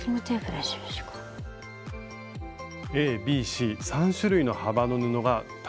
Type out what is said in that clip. ＡＢＣ３種類の幅の布がたくさんとれましたね。